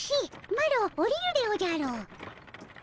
マロおりるでおじゃる。